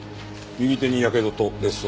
右手にやけどと裂創。